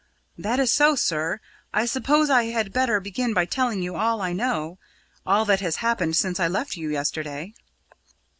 "That is so, sir. I suppose I had better begin by telling you all I know all that has happened since I left you yesterday?"